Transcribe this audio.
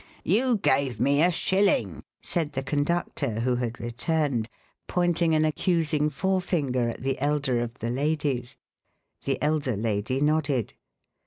"You gave me a shilling," said the conductor, who had returned, pointing an accusing forefinger at the elder of the ladies. The elder lady nodded.